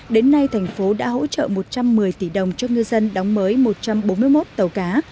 đến nay thành phố đã hỗ trợ một trăm một mươi tỷ đồng cho ngư dân đóng mới một trăm bốn mươi một tàu cá